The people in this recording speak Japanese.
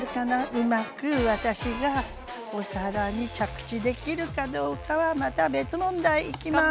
うまく私がお皿に着地できるかどうかはまた別問題。いきます！